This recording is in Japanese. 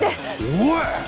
おい！